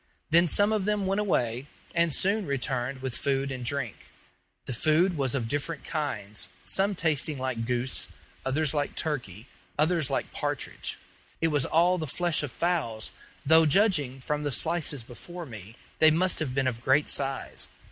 Then some of them went away, and soon returned with food and drink. The food was of different kinds some tasting like goose, others like turkey, others like partridge. It was all the flesh of fowls, though, judging from the slices before me, they must have been of great size.